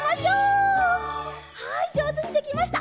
はいじょうずにできました！